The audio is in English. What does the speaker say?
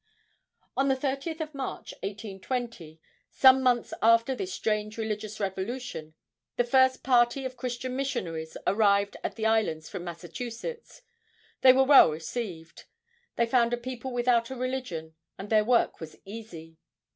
On the 30th of March, 1820 some months after this strange religious revolution the first party of Christian missionaries arrived at the islands from Massachusetts. They were well received. They found a people without a religion, and their work was easy.